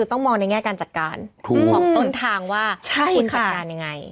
ต้องมองในแง่การจัดการของต้นทางว่าคุณจัดการยังไง